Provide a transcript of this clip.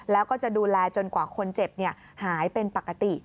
แล้วก็จะดูแลจนกว่าคนเจ็บหายเป็นปกติ